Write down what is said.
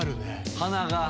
鼻が。